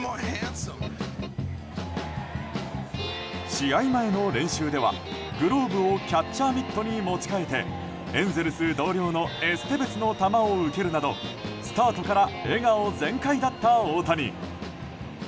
試合前の練習では、グローブをキャッチャーミットに持ち替えてエンゼルス同僚のエステベスの球を受けるなどスタートから笑顔全開だった大谷。